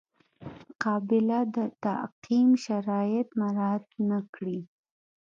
قابله د تعقیم شرایط مراعات نه کړي.